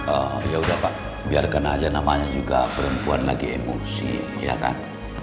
oh ya udah pak biarkan aja namanya juga perempuan lagi emulsi ya kan